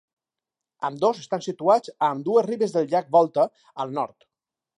Ambdós estan situats a ambdues ribes del llac Volta, al nord.